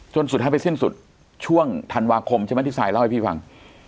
สุดท้ายไปสิ้นสุดช่วงธันวาคมใช่ไหมที่ซายเล่าให้พี่ฟัง